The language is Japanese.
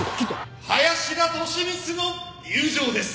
林田利光の入場です。